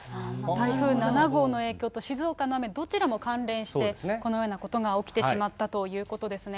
台風７号の影響と静岡の雨、どちらも関連してこのようなことが起きてしまったということですね。